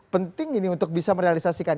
penting ini untuk bisa merealisasikan